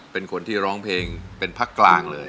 เป็นคนที่ร้องเพลงเป็นภาคกลางเลย